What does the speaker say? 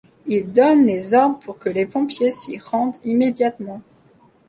Il donne les ordres pour que les pompiers s’y rendent immédiatement.